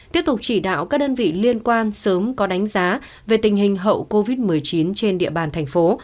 tiếp tục chỉ đạo các đơn vị liên quan sớm có đánh giá về tình hình hậu covid một mươi chín trên địa bàn thành phố